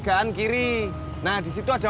gak ada ya